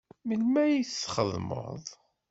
Melmi ay txeddmeḍ?